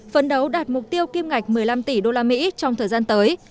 phấn đấu đạt mục tiêu kim ngạch một mươi năm tỷ usd trong thời gian tới